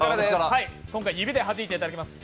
今回、指ではじいてもらいます。